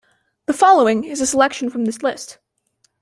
The following is a selection from this list.